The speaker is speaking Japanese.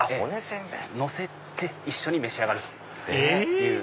のせて一緒に召し上がるという。